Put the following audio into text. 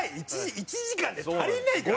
１時間で足りないから！